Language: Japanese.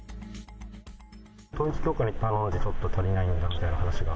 統一教会に頼んで、ちょっと足りないんだみたいな話が？